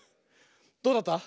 どうだった？